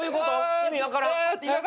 意味分からん。